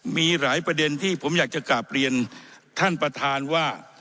มีหลายประเด็นที่ผมอยากจะกลับเรียนท่านประธานว่า